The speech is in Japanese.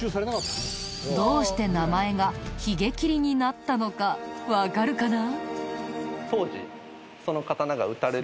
どうして名前が髭切になったのかわかるかな？